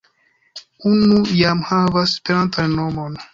Unu jam havas esperantan nomon.